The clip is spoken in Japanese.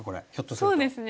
そうですね。